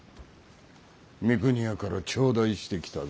三国屋から頂戴してきたぞ。